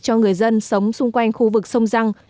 cho người dân sống xung quanh khu vực sông răng